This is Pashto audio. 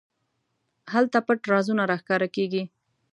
هلته پټ رازونه راښکاره کېږي.